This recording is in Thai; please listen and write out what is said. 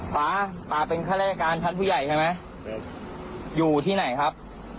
ป๊าป๊าเป็นข้าราชการชั้นผู้ใหญ่ใช่ไหมอยู่ที่ไหนครับ